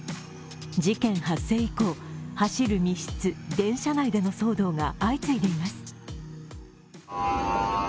事件発生以降、走る密室、電車内での騒動が相次いでいます。